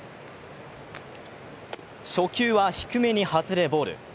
初球は低めに外れボール。